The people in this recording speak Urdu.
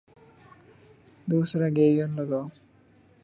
دوسرا گیئر لگاؤ